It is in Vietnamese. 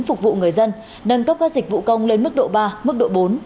phục vụ người dân nâng tốc các dịch vụ công lên mức độ ba mức độ bốn